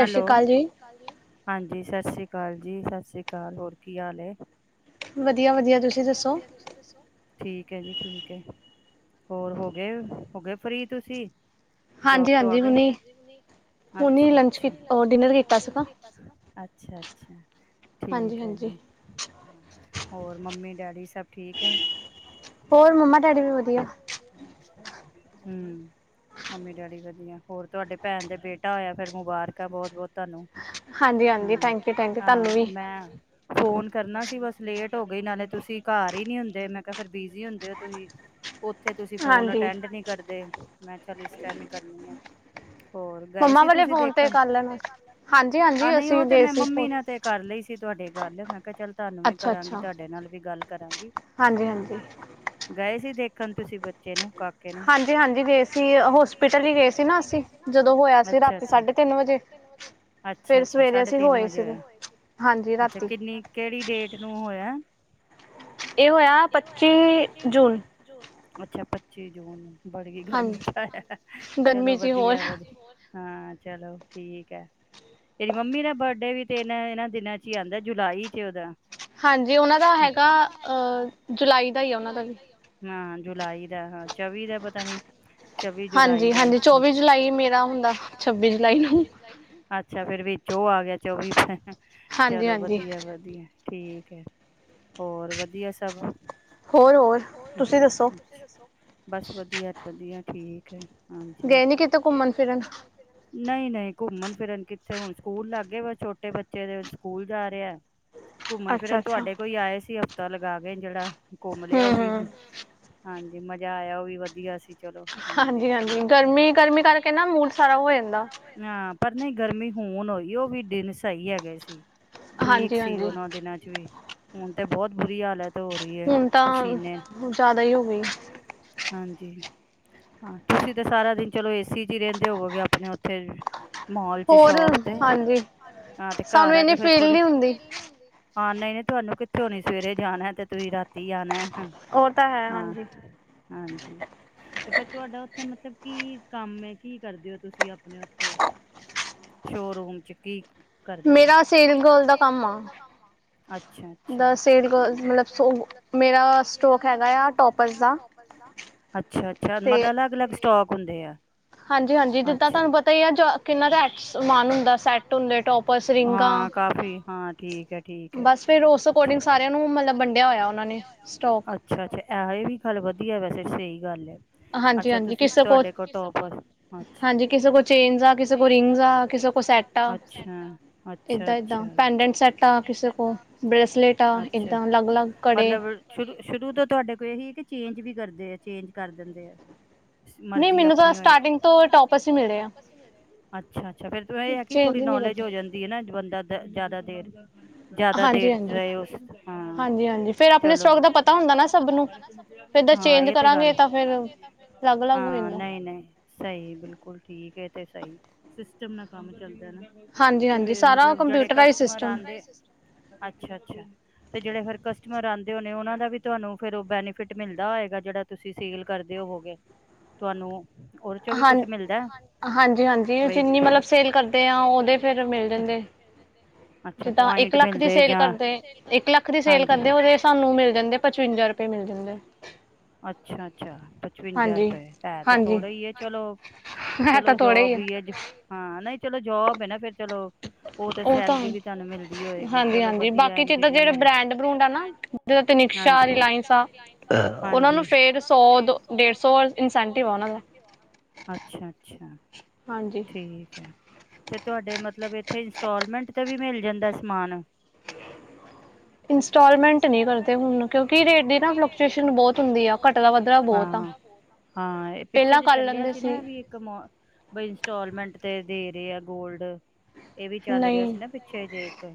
Hello, ਸਤਿ ਸ਼੍ਰੀ ਅਕਾਲ ਜੀ। ਹਾਂਜੀ, ਸਤਿ ਸ਼੍ਰੀ ਅਕਾਲ ਜੀ। ਸਤਿ ਸ਼੍ਰੀ ਅਕਾਲ, ਹੋਰ ਕੀ ਹਾਲ ਏ। ਵਧੀਆ-ਵਧੀਆ, ਤੁਸੀਂ ਦੱਸੋ ਤੁਸੀਂ ਦੱਸੋ ਠੀਕ ਹੈ ਜੀ ਠੀਕ ਹੈ, ਹੋਰ ਹੋ ਗਏ ਹੋ ਗਏ ਫਰੀ ਤੁਸੀਂ? ਜੋਬ ਤੋਂ ਆ ਗਏ? ਹੁਣੇ ਹੀ ਲੰਚ ਕੀਤਾ ਹੁਣ ਡਿਨਰ ਅਛਾ -ਅਛਾ ਠੀਕ ਆ ਜੀ। ਮੰਮੀ ਡੈਡੀ ਸਭ ਠੀਕ ਏ? ਹੋਰ ਮੰਮਾ ਡੈਡੀ ਵੀ ਵਧੀਆ। ਹੰਮ। ਮੰਮੀ ਡੈਡੀ ਵਧੀਆ, ਹੋਰ ਤੁਹਾਡੇ ਭੈਣ ਦੇ ਬੇਟਾ ਹੋਇਆ ਫੇਰ ਮੁਬਾਰਕ ਆ ਬਹੁਤ- ਬਹੁਤ ਤੁਹਾਨੂੰ। ਹਾਂ- ਹਾਂ ਮੈਂ ਫੋਨ ਕਰਨਾ ਸੀ ਬਸ ਲੇਟ ਹੋ ਨਾਲੇ ਤੁਸੀਂ ਘਰ ਹੀ ਨਹੀਂ ਹੁੰਦੇ, ਮੈਂ ਕਿਹਾ ਫਿਰ ਬਿਜੀ ਹੁੰਦੇ ਹੋ ਤੁਸੀਂ, ਉੱਥੇ ਤੁਸੀਂ ਫੋਨ ਅਟੈਂਡ ਨੀ ਕਰਦੇ, ਮੈਂ ਕਿਹਾ ਚੱਲ ਇਸ ਟਾਈਮ ਹੀ ਕਰਨੀ ਆ। ਹੋਰ ਗਏ ਸੀ ਤੁਸੀਂ ਦੇਖਣ, ਆਹ ਨਹੀਂ ਉਹ ਤੇ ਮੈਂ ਮੰਮੀ ਨਾਲ ਤੇ ਕਰ ਲਈ ਸੀ ਤੁਹਾਡੇ ਗੱਲ, ਮੈਂ ਕਿਹਾ ਚੱਲ ਤੁਹਾਨੂੰ ਵੀ ਕਰਾਂਗੀ, ਤੁਹਾਡੇ ਨਾਲ ਵੀ ਗੱਲ ਕਰਾਂਗੀ। ਹਾਂ ਗਏ ਸੀ ਦੇਖਣ ਤੁਸੀਂ ਬੱਚੇ ਨੂੰ ਕਾ? ਹਾਂਜੀ -ਹਾਂਜੀ ਗਏ ਸੀ ਹੋਸਪਿਟਲ ਗਏ ਸੀ ਨਾ ਅਸੀ ਸਾਢੇ ਤਿੰਨ ਵਜੇ। ਅੱਛਾ -ਅੱਛਾ ਸਾਢੇ ਤਿੰਨ ਵਜੇ ਹੋਇਆ। ਹਾਂਜੀ ਰਾਤੀ। ਕਿਹੜੀ ਡੇਟ ਨੂੰ ਹੋਇਆ? ਇਹ ਹੋਇਆ ਪੱਚੀ ਜੂਨ। ਅੱਛਾ ਪੱਚੀ ਜੂਨ। ਬੜ ਗਈ ਗਰਮੀ, ਚਲੋ ਵਧੀਆ- ਵਧੀਆ। ਹਾਂ ਚਲੋ ਠੀਕ ਹੈ। ਤੇਰੀ ਮੰਮੀ ਦਾ ਬਰਡੇ ਵੀ ਤੇ ਇਹਨਾਂ -ਇਹਨਾਂ ਦਿਨਾਂ ਚ ਹੀ ਆਉਂਦਾ ਜੁਲਾਈ ਚ ਉਹਦਾ। ਹਾਂਜੀ, ਉਹਨਾਂ ਦਾ ਹੈਗਾ ਜੁਲਾਈ ਦਾ ਹੀ ਆ ਉਹਨਾਂ ਦਾ ਵੀ। ਹਾਂ ਜੁਲਾਈ ਦਾ ਹਾਂ ਚੌਵੀ ਦਾ ਪਤਾ ਨੀ। ਚਵੀ ਜੁਲਾਈ ਦਾ, ਹਾਂਜੀ- ਹਾਂਜੀ ਚੌਵੀ ਜੁਲਾਈ ਮੇਰਾ ਹੁੰਦਾ ਛੱਬੀ। ਅੱਛਾ ਫੇਰ ਵਿੱਚ ਉਹ ਆ ਗਿਆ, ਚੌਵੀ ਚਲੋ ਵਧੀਆ- ਵਧੀਆ ਠੀਕ। ਓਕੇ। ਹੋਰ ਵਧੀਆ ਸਭ। ਹੋਰ- ਹੋਰ ਤੁਸੀਂ ਦੱਸੋ? ਤੁਸੀਂ ਦੱਸੋ? ਬਸ ਵਧੀਆ- ਵਧੀਆ ਠੀਕ ਹੈ ਹਾਂਜੀ। ਗਏ ਨਹੀਂ ਕਿਤੇ ਘੁੰਮਣ ਫਿਰਨ? ਨਹੀਂ -ਨਹੀਂ ਘੁੰਮਣ ਫਿਰਨ ਕਿੱਥੇ, ਹੁਣ ਸਕੂਲ ਲੱਗ ਗਏ ਵੇ, ਛੋਟੇ ਬੱਚੇ ਦੇ ਸਕੂਲ ਜਾ ਰਿਹਾ। ਘੁੰਮਣ ਫਿਰਨ ਤੁਹਾਡੇ ਕੋਈ ਆਏ ਸੀ ਹਫ਼ਤਾ ਲਗਾ ਗਏ ਜਿਹੜਾ ਘੁੰਮ ਲਿਆ ਉਹੀ ਹਾਂਜੀ ਮਜ਼ਾ ਆਇਆ ਉਹ ਵੀ ਵਧੀਆ ਸੀ। ਚਲੋ ਹਾਂ ਵੇਖਣ ਨਾਲ ਗਰਮੀ- ਗਰਮੀ ਕਰਕੇ ਨਾ ਮੂੜ ਸਾਰਾ ਹਾਂ ਪਰ ਨਹੀਂ ਗਰਮੀ ਹੁਣ ਹੋਈ ਏ ਉਹ ਵੀ ਦਿਨ ਸਹੀ ਹੈਗੇ ਸੀ। ਠੀਕ ਸੀ ਉਹਨਾਂ ਦਿਨਾਂ ਚ ਵੀ ਹੁਣ ਤੇ ਬਹੁਤ ਬੁਰੀ ਹਾਲਤ ਧੋ ਰਹੀ ਹੈ ਪਸੀਨੇ, ਹਾਂਜੀ। ਹਾਂ ਤੁਸੀਂ ਤਾਂ ਸਾਰਾ ਦਿਨ ਚਲੋ ਏਸੀ ਚ ਹੀ ਰਹਿੰਦੇ ਹੋਵੋਗੇ ਆਪਣੇ ਉੱਥੇ। ਮੋਲ ਚ ਸ਼ੋਪ ਤੇ, ਹਾਂਜੀ ਤੇ ਘਰ ਆ ਕੇ ਫੇਰ ਥੋੜੀ ਹਾਂ ਨਹੀਂ -ਨਹੀਂ ਤੁਹਾਨੂੰ ਕਿੱਥੇ ਹੋਣੀ ਸਵੇਰੇ ਜਾਣਾ ਤੇ ਤੁਸੀਂ ਰਾਤੀ ਆਣਾ। ਹਾਂ ਹਾਂਜੀ। ਤੇ ਫੇਰ ਤੁਹਾਡਾ ਉੱਥੇ ਮਤਲਬ ਕੀ ਕੰਮ ਹੈ? ਕੀ ਕਰਦੇ ਹੋ ਤੁਸੀਂ ਆਪਣੇ ਉੱਥੇ? ਸ਼ੋ ਰੂਮ ਚ ਕੀ ਕਰਦੇ ਹੋ? ਮੇਰਾ ਸੇਲ ਗਰਲ ਦਾ ਕੰਮ ਆ। ਅੱਛਾ-ਅੱਛਾ, ਮਲਬ ਮੇਰਾ ਸਟੋਕ ਹੈਗਾ ਆ। ਅੱਛਾ-ਅੱਛਾ, ਮਤਲਬ ਅਲੱਗ-ਅਲੱਗ ਸਟੋਕ ਹੁੰਦੇ ਆ। ਹਾਂ। ਹਾਂਜੀ, ਜਿੱਦਾਂ ਤੁਹਾਨੂੰ ਪਤਾਨਾ ਦਾ ਹੁੰ ਸ ਹ ਕਾਫੀ ਹਾਂ। ਠੀਕ ਹੈ-ਠੀਕ ਹੈ ਬੱਸ ਫਿਰ ਉਸ ਅਕੋਡਿੰਗ ਸਾਰਿਆਂ ਨੂੰ ਮਤਲਬ ਵੰਡਿਆ ਹੋਇਆ ਨੇ। ਅੱਛਾ-ਅੱਛਾ, ਇਹੋ ਵੀ ਗੱਲ ਵਧੀਆ ਵੈਸੇ ਸਹੀ ਗੱਲ ਹੈ। ਅੱਛਾ, ਤੁਸੀਂ ਤੁਹਾਡੇ ਕੋਲ ਟੋਪ ਅੱਛਾ ਹਾਂਜੀੇ ਕੋਲ ਚੇਨਸ ਆ, ਕਿੱਸੇ ਕੋਲ ਰਿੰਗਸ ਆ। ਅੱਛਾ-ਅੱਛਾ-ਅੱਛਾ ਅੱਛਾ, ਮਤਲਬ ਸ਼ੁਰੂ-ਸ਼ੁਰੂ ਤੋਂ ਤੁਹਾਡੇ ਕੋਲ ਇਹੀ ਹੈ। ਕਿ ਚੇਂਜ ਵੀ ਕਰਦੇ ਆ, ਚੇਂਜ ਕਰ ਦਿੰਦੇ ਆ। ਮਰਜੀ ਆਪਣੀ ਹੋਏ, ਮੈਨੂੰ ਤਾਂ ਸਟਾਰਟਿੰਗ ਤੋਂ ਟੋਪ ਅੱਛਾ- ਅੱਛਾ, ਫੇਰ ਇਹ ਹੈ ਕਿ ਥੋੜੀ ਨੌਲੇਜ ਹੋ ਜਾਂਦੀ ਹੈ। ਨਾ ਬੰਦਾ ਜ਼ਿਆਦਾ ਦੇਰ ਜ਼ਿਆਦਾ ਚ ਰਹੇ ਹਾਂ ਚਲੋ ਫੇਰ ਆਪਣੇ ਸੋਕ ਦਾ ਪਤਾ ਹੁੰਦਾ ਨਾ। ਹਾਂ। ਇਹ ਤੇ ਗੱਲ ਹਾਂ। ਨਹੀਂ -ਨਹੀਂ ਸਹੀ, ਬਿਲਕੁਲ ਠੀਕ ਹੈ ਤੇ ਸਹੀ ਸਿਸਟਮ ਨਾਲ ਕੰਮ ਚੱਲਦਾ ਨਾ। ਫ ਮਤਲਬ ਜਿ ਕਸਟਮਰ ਆਂਦੇ। ਅੱਛਾ-ਅੱਛਾ ਤੇ ਜਿਹੜੇ ਫੇਰ ਕਸਟਮਰ ਆਉਂਦੇ ਹੋਣੇ ਨੇ, ਉਹ ਦਾ ਵੀ ਤੁਹਾਨੂੰ ਫਿਰ ਉਹ ਬੈਨੀਫਿਟ ਮਿਲਦਾ ਹੋਏਗਾ। ਜਿਹੜਾ ਤੁਸੀਂ ਸੀਲ ਕਰਦੇ ਹੋਵੋਗੇ। ਤੁਹਾਨੂੰ ਉਹਦੇ ਚੋਂ ਵੀ ਕੁਛ ਮਿਲਦਾ ਤੁਸੀਂ ਜੀਣੀ ਸੇਲ ਕਰਦੇ। ਓਦੇ ਪੁਆਇੰਟ ਮਿਲਦੇ ਹੈਗਾ। ਸੇਲ ਕਰਦੇ ਆ। ਜਿਨੀ ਅਸੀ ਸੇਲ ਕਰਦੇ, ਉਹਦੇ ਸਾਨੂੰ ਮਿਲ ਜਾਂਦੇ ਪਚਵੰਜਾ ਰੁਪਏ ਅੱਛਾ-ਅੱਛਾ ਪਚਵੰਜਾ ਰੁਪਏ, ਹੈ ਤੇ ਥੋੜਾ ਹੀ ਹੈ। ਚਲੋ, ਉਹ ਚਲੋ ਜੋਬ ਹੀ ਹੈ। ਹਾਂ। ਨਹੀਂ, ਚਲੋ ਜੋਬ ਹੈ ਨਾ ਫੇਰ ਚਲੋ ਉਹ ਤਾਂ ਸੈਲਰੀ ਵੀ ਤੁਹਾਨੂੰ ਮਿਲਦੀ ਹੋਏਗੀ। ਚਲੋ ਵਧੀਆ ਹਾਂਜੀ, ਉਹਨਾ ਨੂੰ ਫੇਰ ਸੌ, ਡੇਢ ਸੌ ਅੱਛਾ-ਅੱਛਾ, ਠੀਕ ਹੈ। ਤੇ ਤੁਹਾਡੇ ਮਤਲਬ, ਇੱਥੇ ਇੰਸਟਾਲਮੈਂਟ ਤੇ ਵੀ ਮਿਲ ਜਾਂਦਾ ਏ। ਸਮਾਨ ਇੰਸਟਾਲਮੈਂਟ ਨਹੀਂ ਕਰਦੇ ਹੁਣ, ਕਿਉਂਕਿ ਰੇਟ ਦੀ ਨਾ ਫਲਕ ਬਹੁਤ ਹੁੰਦੀ ਆ। ਘੱ ਬਹੁਤ ਆ ਹਾਂ। ਇਹ ਪਿੱਛੇ ਜੇ ਚੱਲਿਆ ਸੀ ਨਾ। ਵੀ ਕਮ ਬ ਇੰਸਟਾਲਮੈਂਟ ਤੇ ਦੇ ਰਹੇ ਆ। ਗੋਲਡ ਇਹ ਵੀ ਚੱਲ ਰਿਹਾ ਸੀ ਨਾ। ਪੁੱਛੇ ਜੇ ਇੱਕ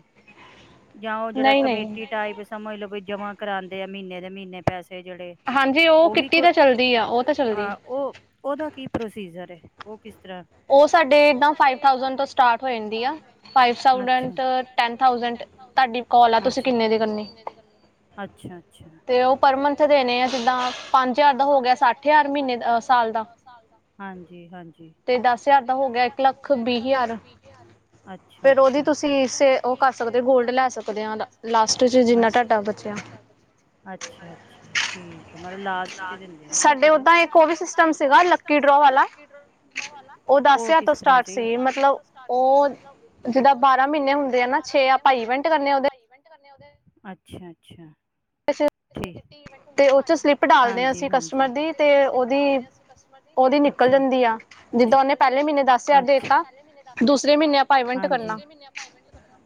ਜਾਂ ਉਹ ਜਿਹੜਾ ਕਮੇਟੀ ਟਾਈਪ ਸਮਝ ਲੋਓ, ਵੀ ਜਮਾ ਕਰਾਉਂਦੇ ਆ। ਮਹੀਨੇ ਦੇ ਮਹੀਨੇ ਪੈਸੇ ਜਿਹੜੇ ਉਹ ਵੀ ਤੇ ਚਦੀ ਹਾਂ ਉਹ ਉਹਦਾ ਕੀ ਪ੍ਰੋਸੀਜਰ ਹੈ। ਉਹ ਕਿਸ ਤਰ੍ਹਾਂ ਉਹ ਸਾਡੇ ਦਾਂ ਫਾਈਵ ਥਾਸੈਂਡ ਤੋਂ ਸਟਾਰਟ ਹੋ ਜਾਂਦੀ ਆ। ਫਾਇਵ ਥੋਸਡ ਟੈਨਥਸ ਤੁਹਾਡੀ ਕੋਲ ਆ। ਤੁਸੀਂ ਕਿੰਨੇ ਦੀ ਕਰਨੀ। ਤੇ ਉਹ ਪਰ ਮੰਥ ਦੇਣੇ ਆ। ਜਿੱਦਾਂ ਪੰਜ ਹਜ਼ਾਰ ਦਾ ਹੋ ਗਿਆ। ਸੱਠ ਹਜ਼ਾਰ ਮਹੀਨੇ ਦਾ ਸਾਲ ਦਾ ਹਾਂਜੀ-ਹਾਂਜੀ ਤੇ ਦਸ ਹਜ਼ਾਰ ਦਾ ਹੋ ਗਿਆ। ਇੱਕ ਲੱਖ ਵੀਹ ਹਜ਼ਾਰ ਅੱਛਾ ਅਾ। ਫ ਉਹਦੀ ਤੁਸੀਂ ਸਕ ਗਲ ਲੈ ਸਕ ਜਾ ਅਾ ਅਾ ਠੀਕ ਮਤਲਬ ਲਾਸਟ ਚ ਦਿੰਦੇ ਆ ਨਾ। ਉਹ ਫ ਸਾਡੇ ਦ ਇੱਕ ਉਹ ਸਟਮ ਸੀਗਾ ਲੀ। ਉਹ ਕਿਸ ਤਰ੍ਹਾਂ ਸੀ। ਉਹ ਦੱਸ ਹਜਾਰ ਤੋਂ ਸਟਾਰਟ ਸੀ। ਮਤਲਬ ਉਹ ਜਿਦਾਂ ਬਾਰਾਂ ਮਹੀਨੇ ਹੁੰਦੇ ਆ ਨਾ, ਛੇ ਐ ਭਾਈ ਮਿੰਟ ਲਾਂਦੇ ਹਾਂ ਉਦੇ। ਆਸੀ, ਤੇ ਉਥੇ ਸਲਿਪ ਡਾਲਦੇ ਹਾਂ। ਅਸੀਂ ਕਸਟਮਰ ਦੀ, ਤੇ ਉਹਦੀ ਉਹਦੀ ਨਿਕਲ ਜਾਂਦੀ ਆ। ਜਿੱਦਾਂ ਉਹਨੇ ਪਹਿਲੇ ਮਹੀਨੇ ਦਸ ਹਜ਼ਾਰ ਦੇਤਾ, ਦੂਸਰੇ ਮਹੀਨੇ ਹਾਂਜੀ। ਦੂਸਰੇ ਮਹੀਨੇ ਈਵੈਂਟ ਕਰਨਾ।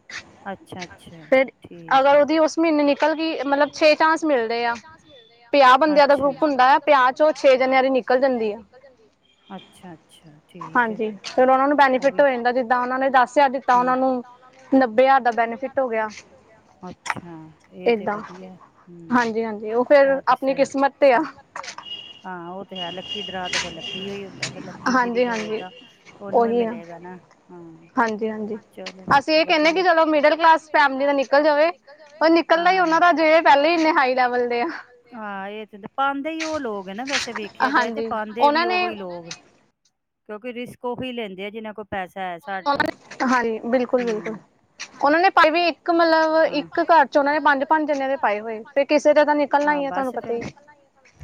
ਅੱਛਾ-ਅੱਛਾ ਠੀਕ ਐ, ਤੇ ਅਗਰ ਓਦੀ ਓਸ ਮੀਨੇ ਨਿ ਨਿਕਲਗੀ, ਮਤਲਬ ਛੇ ਚਾਂਸ ਮਿਲਦੇ ਆ, ਪੰਜਾਹ ਬੰਦੇਆਂ ਦਾ ਗਰੁੱਪ ਹੁੰਦਾ ਆ, ਪੰਜਾਹ ਚੋ ਛੇ ਜਨੇਆ ਦੀ ਨਿਕਲ ਜਾਂਦੀ ਐ। ਅੱਛਾ -ਅੱਛਾ ਠੀਕ ਐ, ਹਾਂਜੀ ਤੇ ਓਨਾ ਨੂੰ ਬੇਨੀਫਿਟ ਹੋ ਜਾਂਦਾ, ਜਿਦਾਂ, ਓਨਾਂ ਨੇ ਹੂੰ। ਦਸ ਹਜਾਰ ਦਿੱਤਾ ਓਨਾਂ ਨੂੰ ਨੱਬੇ ਹਜਾਰ ਨੱਬੇ ਹਜਾਰ ਦਾ ਬੈਨੀਫਿਟ ਹੋ ਗੇਆ, ਅੱਛਾ ਏਹ ਤੇ ਵਧੀਐ। ਹਾਂਜੀ ਹਾਂਜੀ। ਓ ਫੇਰ ਆਪਨੀ ਕਿਸਮਤ ਤੇ ਆ। ਤੇ ਐ। ਹਾਂ ਓ ਤੇ ਹੈ, ਲੱਕੀ ਡਰਾ ਤੇ ਫੇਰ ਲੱਕੀ ਹੋਈ ਹੁੰਦਾ। ਫੇਰ ਲੱ ਕੀ ਜਿਦੀ ਹੋਏਗਾ ਓਨੂੰ ਈ ਮਿਲੇਗਾ ਨਾ। ਹਾਂ, ਚਲੋ ਵਧੀਆ, ਅਸੀ ਏ ਕੈੰਨੇ ਆ ਕੀ ਚਲੋ, ਮਿਡਲ ਕਲਾਸ ਫੈਮਲੀ ਦੇ ਨਿਕਲ ਜਾਵੇ। ਨਿਕਲਦਾ ਈ ਓਨਾਂ ਦਾ, ਜੇਹੜੇ ਪੈਲਾਂ ਈ ਇੰਨੇ ਹਾਈ ਲੈਵਲ ਦੇ ਆ। ਹਾਂ ਏ ਤੇ, ਪਾਂਦੇ ਈ ਓ ਲੋਗ ਐ ਨਾ, ਵੈਸੇ ਵੀ। ਦੇਖੇਆ ਜਾਏ ਤੇ ਪਾਂਦੇ ਵੀ ਓਹੀ ਲੋਗ, ਕਿਉਂਕਿ ਰਿਸਕ ਓਹੀ ਲੈਂਦੇ ਆ, ਜਿਨਾਂ ਕੋਲ ਪੈਸਾ ਐ, ਹੂੰ ਓਨਾਂ ਨੇ ਪਾਈ ਵੀ ਇੱਕ ਮਤਲਬ, ਇੱਕ ਘਰ 'ਚ ਓਨਾਂ ਨੇ ਪੰਜ-ਪੰਜ ਜਨੇਆਂ ਦੇ ਪਾਏ ਹੋਏ। ਫੇ ਪੰਜ ਜਨੇਆ ਦੇ ਪਾਏ ਹੋਏ। ਹਾਂ, ਬਸ ਫੇਰ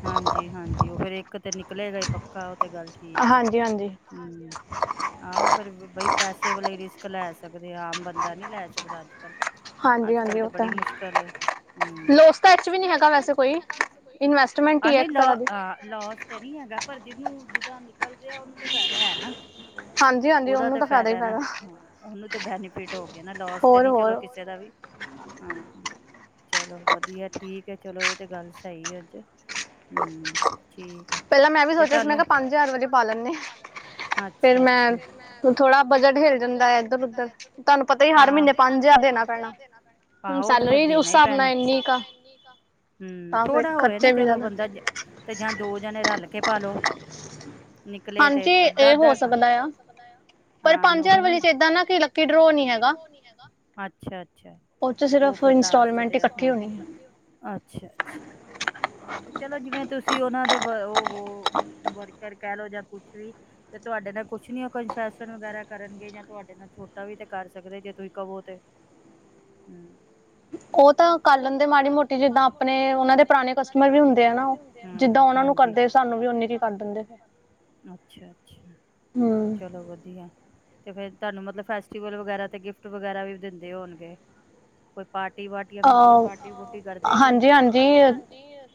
ਹਾਂਜੀ- ਹਾਂਜੀ, ਓ ਫੇਰ ਇੱਕ ਤੇ ਨਿਕਲੇਗਾ ਈ ਪੱਕਾ। ਏ ਤੇ ਗੱਲ ਠੀਕ ਐ। ਹੂੰ ਆਹੋ ਫੇਰ, ਬਈ ਪੈਸੇ ਵਾਲੇ ਈ ਰਿਸਕ ਲੈ ਸਕਦੇ, ਆਮ ਬੰਦਾ ਨੀਂ ਲੈ ਸਕਦਾ ਅੱਜ-ਕੱਲ। ਅੱਜ-ਕਲ ਤੇ ਬੜੀ ਮੁਸ਼ਕਲ ਏ। ਹੂੰ, ਲੋਸ ਟੈਕ 'ਚ ਵੀ ਨੀ ਹੈਗਾ ਵੈਸੇ। ਕੋਈ, ਆ, ਨਈ, ਲੋ ਆ ਲੋਸ ਤੇ, ਨਹੀਂ ਹੈਗਾ। ਪਰ ਜਿਨੂੰ ਜਿਦਾ ਨਿਕਲ ਰੇਆ ਓਨੂੰ ਤੇ ਫਾਏਦਾ ਹੈ ਨਾ। ਓਦਾ ਤੇ ਫਾਏਦਾ ਨਾ, ਓਨੂੰ ਤੇ ਬੈਨੀ ਐ ਨਾ, ਲੋਸ ਤੇ ਨੀ ਚਲੋ, ਕਿਸੇ ਦਾ ਵੀ। ਹਾਂ, ਚਲੋ ਵਦੀਐ ਠੀਕ ਐ, ਚਲੋ ਏ ਤੇ ਗੱਲ ਸਈ ਐ ਅੱਜ। ਹੂੰ, ਠੀਕ ਐ। ਤੇ ਤਾਨੂੰ, ਸੋਚੇਆ ਸੀ ਮੈਂ ਕੇਆ ਪੰਜ ਹਜਾਰ ਵਾਲੀ ਪਾ ਲੈਂਨੀ। ਅੱਛਾ-ਅੱਛਾ, ਫੇਰ ਮੈਂ ਥੋੜਾ ਬਜਟ ਹਿੱਲ ਜਾਂਦੈ। ਏਧਰ- ਓਧਰ, ਤਾਨੂੰ ਪਤਾ ਆਹ, ਤੇ ਹਰ ਮੀਨੇ ਪੰਜ ਹਜਾਰ ਦੇਨਾ ਪੈਨਾ, ਆਹ, ਓ ਤੇ ਫੇਰ ਦੇਨਾ ਈ ਪੈਨਾ। ਸੈਲਰੀ ਜੂ ਓਸ ਹਸਾਬ ਨਾਲ ਏਨੀ ਕ ਆ। ਹੂੰ। ਥੋੜਾ ਹੋਏ ਨਾ ਚਲੋ ਬੰਦਾ ਤੇ, ਜਾਂ ਦੋ ਜਾਨੇ ਰਲ ਕੇ ਪਾ ਲੋ। ਨਿਕਲੇ ਤੇ ਅੱਧਾ-ਅੱਧਾ, ਹਾਂਜੀ ਏ ਤੇ ਹੋ ਸਕਦਾ ਆ। ਹਾਂ ਓਹੀ ਨਾ, ਪਰ ਪੰਜ ਹਜ਼ਾਰ ਵਾਲੀ 'ਚ ਏਦਾਂ ਨਾ ਕਿ ਲੱਕੀ ਡਰੋ ਨੀਂ ਹੈਗਾ, ਅੱਛਾ -ਅੱਛਾ। ਓ ਫਿਰ ਲਾਸਟ 'ਚ ਤੇ, ਫੇਰ ਇਨਸੋਲਮੈਂਟ ਈ ਪੱਕੀ ਹੋਈ। ਅੱਛਾ-ਅੱਛਾ ਹਾਂ ਤੇ ਚਲੋ, ਜਿਵੇਂ ਤੁਸੀ ਓਨਾਂ ਦੇ ਓ ਵੋ ਵਰਕਰ ਕੇਹ ਲਓ ਜਾਂ ਕੁਛ ਵੀ ਤੇ ਤੁਆਡੇ ਨਾਲ ਕੁਛ ਨੀ ਓ ਕੰਸ਼ੈਸਨ ਵਗੈਰਾ ਕਰਨਗੇ, ਜਾਂ ਤੁਆਡੇ ਨਾਲ ਛੋਟਾਂ ਵੀ ਤੇ ਕਰ ਸਕਦੇ, ਜੇ ਤੁਸੀਂ ਕਵੋ ਤੇ ਓ ਤਾਂ ਕਰ ਲੈਂਦੇ ਮਾੜੀ-ਮੋਟੀ, ਜਿੱਦਾਂ ਆਪਨੇ ਓਨਾਂ ਦੇ ਪਰਾਨੇ ਕਸਟਮਰ ਵੀ ਹੁੰਦੇ ਐ ਨਾ ਓ ਜਿੱਦਾਂ ਓਨਾ ਨੂੰ ਕਰਦੇ, ਸਾਨੂੰ ਵੀ ਓਨੀ ਕ ਈ ਕਰ ਦੇਂਦੇ। ਅੱਛਾ -ਅੱਛਾ। ਚਲੋ ਵਧੀਐ ਤੇ ਫੇਰ ਤਾਨੂੰ ਮਤਲਬ ਫੈਸਟੀਵਲ ਵਗੈਰਾ ਤੇ, ਗਿਫਟ ਵਗੈਰਾ ਵੀ ਦਿੰਦੇ ਹੋਨਗੇ। ਕੋਈ ਪਾਰਟੀ- ਵਾਰਟੀਆਂ ਮਿਲਦੀਆਂ। ਪਾਰਟੀ-ਵੁਟੀ ਕਰਦੇ ਆ ਕੋਈ, ਹਾਂਜੀ-ਹਾਂਜੀ।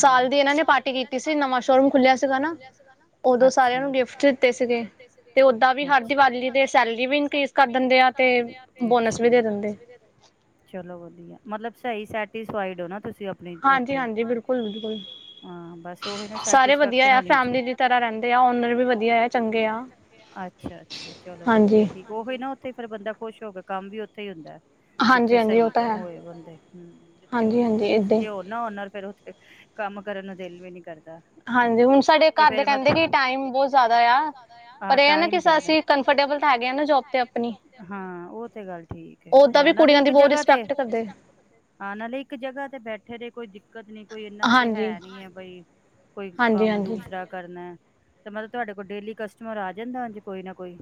ਸਾਲ ਦੀ ਏਨਾਂ ਨੇ ਪਾਰਟੀ ਕੀਤੀ ਸੀ, ਨਵਾਂ ਸ਼ੋਅ- ਰੂਮ ਖੁੱਲੇਆ ਸੀਗਾ ਨਾ। ਓਦੋਂ ਸਾਰੇਆਂ ਨੂੰ ਗਿਫਟ ਦਿੱਤੇ ਸੀਗੇ। ਤੇ, ਓਦਾਂ ਵੀ ਹਰ ਦੀਵਾਲੀ ਤੇ ਸੈਲਰੀ ਤੇ ਸੈਲਰੀ ਵੀ ਇਨਕਰੀਜ਼ ਕਰ ਦੇਂਦੇ ਆ। ਤੇ ਬੋਨਸ ਵੀ ਦੇ ਦੇਂਦੇ। ਚਲੋ ਵਧੀਐ। ਮਤਲਬ ਸਈ ਸੈਟਿਸਫਾਏਡ ਓ ਨਾ ਤੁਸੀਂ ਆਪਨੀ ਓਥੇ, ਹਾਂਜੀ- ਹਾਂਜੀ, ਬਿਲਕੁਲ। ਹਾਂ, ਬਸ ਓਹੀ ਨਾਂ ਸੈਟੀਸਫੈਕਸ਼ਨ ਹੋਨੀ, ਨੀਂ ਵਧੀਆ ਐ ਫੈਮਲੀ ਦੀ ਤਰਾਂ ਰੈਂਦੇ ਆ, ਓਨਰ ਵੀ ਵਧੀਐ, ਚੰਗੇ ਆ। ਅੱਛਾ ਅੱਛਾ, ਚਲੋ ਵਧੀਆ ਠੀਕ। ਓਹੋ ਈ ਨਾ ਓਥੇ ਫੇਰ ਬੰਦਾ ਖੁਸ਼ ਹੋ ਕੇ ਕੰਮ ਵੀ ਓਥੇ ਈ ਹੁੰਦੈ। ਜਿੱਥੇ ਸਹੀ ਕ ਹੋਏ ਬੰਦੇ। ਹੂੰ, ਜਿੱਥੇ ਹੋਏ ਖੜੂਸ ਜੇ ਹੋਣ ਨਾ ਓਨਾ ਫੇਰ ਓਥੇ ਕੰਮ ਕਰਨ ਨੂੰ ਦਿਲ ਵੀ ਨੀ ਕਰਦਾ। ਦਾ, ਏਹ ਤਾਂ ਐ, ਤੇ ਫੇਰ ਮਤ ਹਾਂ, ਟਾਈਮ ਜੈਦਾ। ਕੰਫਰਟੇਬਲ ਤਾਂ ਹੈ ਗੇ। ਹਾਂ, ਓਹ ਤੇ ਗੱਲ ਠੀਕ ਏ। ਹਾਂ, ਨਾਲੇ ਇੱਕ ਜਗਾਂ ਤੇ ਹਾਂ, ਨਾਲੇ ਇੱਕ ਜਗਾਂ ਤੇ ਬੈਠੇ ਰੇ ਕੋਈ ਦਿਕ ਦਿੱਕਤ ਨੀ ਕੋਈ ਏਨਾ ਤੇ ਹੈ ਨੀ ਐ ਬਈ ਕੋਈ ਕੰਮ ਦੂਸਰਾ ਕਰਨੈ। ਤੇ ਮਤਲਬ ਤੁਆਡੇ ਕੋਲ ਡੇਲੀ ਕਸਟਮਰ ਆ ਜਾਂਦੈ ਓੰਝ ਕੋਈ ਨਾ ਕੋਈ?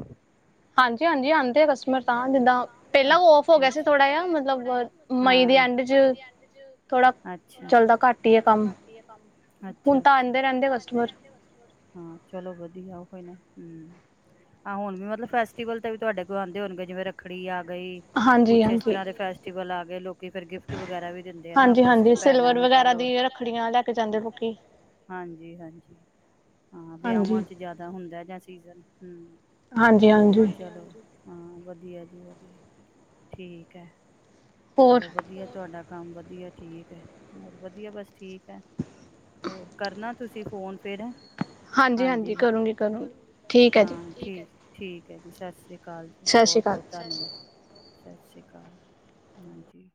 ਹਾਂਜੀ ਹਾਂਜੀ, ਆਂਦੇ ਆ ਕਸਟਮਰ ਤਾਂ ਜਿੱਦਾਂ ਪੈਲਾਂ ਓਫ ਹੋ ਗਿਆ ਸੀ ਥੋੜਾ ਜਾ ਮਤਲਬ ਹਾਂ, ਮਈ ਦੀ ਐਂਡ ਚ ਅੱਛਾ ਥੋੜਾ ਚੱਲਦਾ ਘੱਟ ਈ ਐ ਕੰਮ‌‌। ਅੱਛਾ ਅੱਛਾ, ਹੁਣ ਤਾਂ ਆਂਦੇ ਰੈੰਦੇ ਕਸਟਮਰ। ਹਾਂ, ਚਲੋ ਵਧੀਆ ਓਹੋ ਹੀ ਨਾ, ਹੂੰ ਆਹ ਹੁਣ ਵੀ ਮਤਲਬ ਫੈਸ ਟੀਵਲ ਤੇ ਵੀ ਤੁਆਡੇ ਕੋਲ ਆਂਦੇ ਹੋਣਗੇ, ਜਿਵੇਂ ਰੱਖੜੀ ਆ ਗਈ। ਕੁਛ ਇਸ ਤਰ੍ਹਾਂ ਦੇ ਫੈਸਟੀਵਲ ਆ ਗਏ ਲੋਕ ਕੀ ਫੇਰ ਗਿਫਟ ਵਗੈਰਾ ਵੀ ਦਿੰਦੇ ਐ ਨਾ ਆਪਸ ਚ ਭੈਣਾਂ ਨੂੰ ਕੈ ਲੋ। ਹਾਂਜੀ ਹਾਂਜੀ, ਹਾਂ, ਵਿਆਵਾਂ ਚ ਜੈਦਾ ਹੁੰਦੈ ਜਾਂ ਸੀਜਨ, ਹੂੰ। ਹਾਂਜੀ, ਹਾਂਜ ਚਲੋ ਹਾਂ, ਵਧੀਐ ਜੀ ਵਧੀਐ। ਠੀਕ ਐ, ਚਲੋ ਵਧ ਵਧੀਆ ਤੁਆਡਾ ਕੰਮ ਵਧੀਆ ਠੀਕ ਹੈ। ਹੋਰ ਵਧੀਆ, ਬਸ ਠੀਕ ਐ। ਹੋਰ ਕਰਨਾ ਤੁਸੀਂ ਫੋਨ ਫੇਰ ਹੈ‌। ਹਾਂਜੀ ਹਾਂ, ਠੀਕ। ਠੀਕ ਐ ਜੀ, ਸਤ ਸ਼੍ਰੀ ਕਾਲ ਜੀ। ਬੌਤ-ਬੌਤ ਧੰਨਵਾਦ, ਸਤ ਸ਼੍ਰੀ ਕਾਲ ਹਾਂਜੀ।